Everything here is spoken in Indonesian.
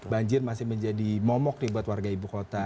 banjir masih menjadi momok nih buat warga ibu kota